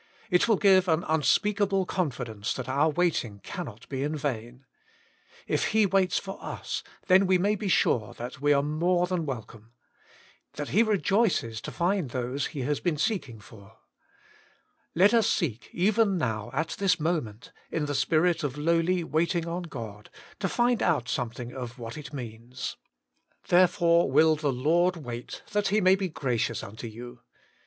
It will give an unspeakable confidence that our waiting cannot be in vain. If He waits for us, then we may be sure that we are more than welcome ; that He rejoices to find those He has been seek ing for. Let us seek even now, at this moment, in the spirit of lowly waiting on God, to find out 7 98 WAITING ON GOBI Bomething of what it means. * Therefore will the Lord wait, that He may be gracious unto you.'